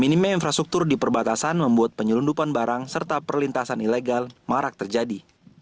minimnya infrastruktur di perbatasan membuat penyelundupan barang serta perlintasan ilegal marak terjadi